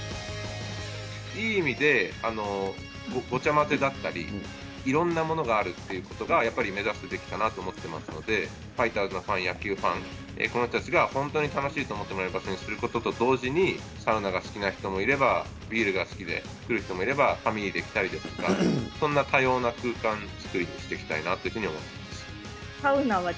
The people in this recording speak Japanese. いい意味で、ごちゃ混ぜだったり、いろんなものがあるっていうことが、やっぱり目指すべきかなと思ってますので、ファイターズのファン、野球ファン、この人たちが本当に楽しいと思ってもらえる場所にすることと同時に、サウナが好きな人もいれば、ビールが好きで来る人もいれば、ファミリーで来たりですとか、そんな多様な空間作りをしていきたいなと思っています。